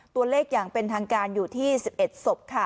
ตัวเลขอย่างเป็นทางการอยู่ที่๑๑ศพ